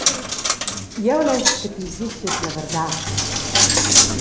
Jeu less che ti ditgies la verdad.